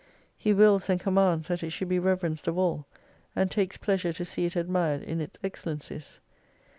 He wills and commands that it should be reverenced of all, and takes pleasure to see it admired in its excellencies.